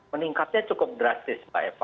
meningkatnya cukup drastis mbak eva